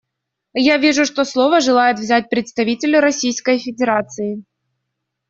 Я вижу, что слово желает взять представитель Российской Федерации.